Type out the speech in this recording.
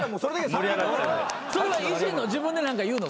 それはいじんの自分で何か言うの？